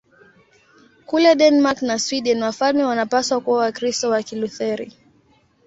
Kule Denmark na Sweden wafalme wanapaswa kuwa Wakristo wa Kilutheri.